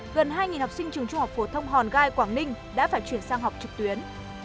gần hai học sinh trường trung học phổ thông hòn gai quảng ninh đã phải chuyển sang học trực tuyến